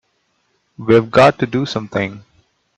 We've got to do something!